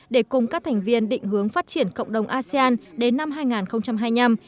để cùng các thành viên định hướng phát triển cộng đồng asean đến năm hai nghìn hai mươi năm